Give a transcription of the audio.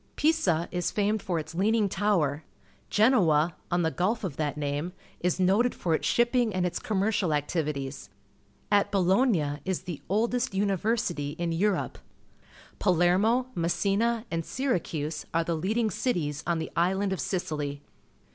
EiscLis famed for its Leaning Tower. GerwOj on the gulf of that name, is noted for its shipping and its commercial activities. At RnJngiin is the oldest lyiiyersitj' in Europe. PjQthKitw, Mcssitm, and Syracm e are the leading cities on the island of Sicily.